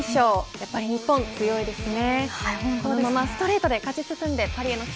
やっぱり日本強いですね。